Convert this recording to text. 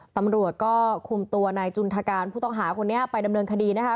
ตำรวจก็คุมตัวนายจุนทการผู้ต้องหาคนนี้ไปดำเนินคดีนะคะ